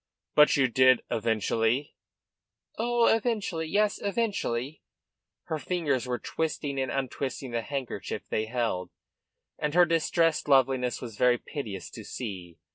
"But you did eventually?" "Oh, eventually! Yes, eventually." Her fingers were twisting and untwisting the handkerchief they held, and her distressed loveliness was very piteous to see.